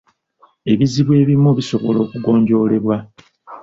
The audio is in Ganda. Ebizibu ebimu bisobola okugonjoolebwa.